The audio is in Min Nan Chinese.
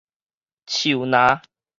樹林